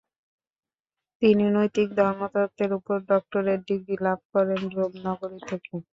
তিনি নৈতিক ধর্মতত্ত্বের উপর ডক্টরেট ডিগ্রি লাভ করেন রোম নগরী থেকে।